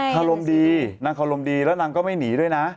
ขาลมดีนางขาลมดีแล้วนางก็ไม่หนีด้วยนะ